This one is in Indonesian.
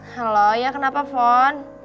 halo ya kenapa fon